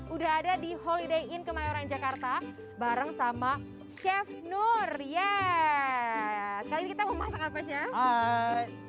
udah ada di holiday inn kemayoran jakarta bareng sama chef nur ya sekali kita memasak apanya